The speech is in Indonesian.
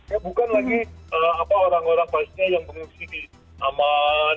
ya bukan lagi apa orang orang palestina yang mengungsi di amman